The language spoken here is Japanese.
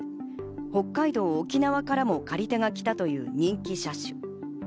北海道、沖縄からも借り手が来たという人気車種。